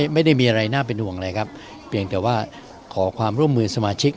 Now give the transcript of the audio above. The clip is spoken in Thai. ไม่ได้มีอะไรน่าเป็นห่วงเลยครับเพียงแต่ว่าขอความร่วมมือสมาชิก